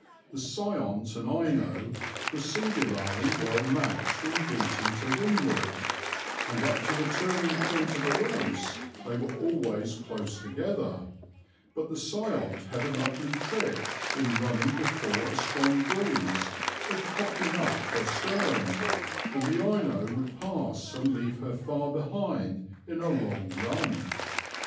"The Seiont and Ino were singularly well matched in beating to windward, and up to the turning point of a race they were always close together, but the Seiont had an ugly trick in running before a strong breeze of cocking up her stern, and the Ino would pass and leave her far behind in a long run.